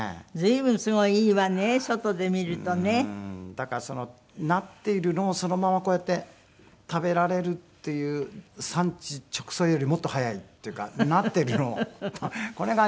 だからなっているのをそのままこうやって食べられるっていう産地直送よりもっと早いっていうかなっているのをこれがいいですよね。